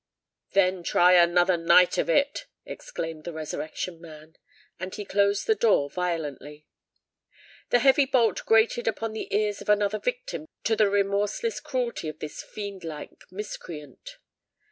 "Then try another night of it!" exclaimed the Resurrection Man. And he closed the door violently. The heavy bolt grated upon the ears of another victim to the remorseless cruelty of this fiend like miscreant!